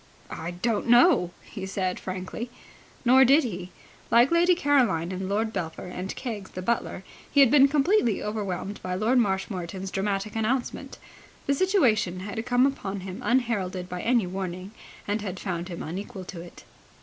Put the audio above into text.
"I don't know!" he said frankly. Nor did he. Like Lady Caroline and Lord Belpher and Keggs, the butler, he had been completely overwhelmed by Lord Marshmoreton's dramatic announcement. The situation had come upon him unheralded by any warning, and had found him unequal to it.